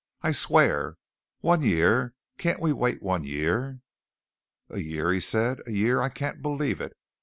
I swear. One year. Can't we wait one year?" "A year," he said. "A year. I can't believe it.